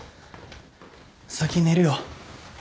先寝るよ。